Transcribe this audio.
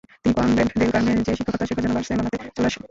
তিনি convent del কার্মে-তে শিক্ষকতা শেখার জন্য বার্সেলোনাতে চলে আসেন।